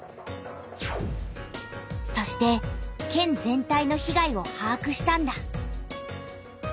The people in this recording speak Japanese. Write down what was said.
そして県全体の被害をはあくしたんだ。